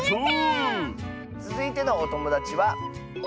つづいてのおともだちは。